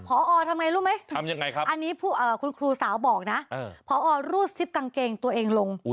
พอทำยังไงรู้ไหมอันนี้คุณครูสาวบอกนะพอรูดซิบกางเกงตัวเองลง